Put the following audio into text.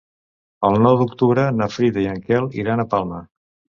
El nou d'octubre na Frida i en Quel iran a Palma.